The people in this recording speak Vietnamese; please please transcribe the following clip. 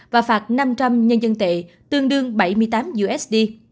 và phạt năm trăm linh nhân dân tệ tương đương bảy mươi tám usd